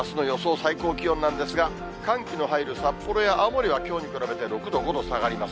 最高気温なんですが、寒気の入る札幌や青森はきょうに比べて６度、５度下がります。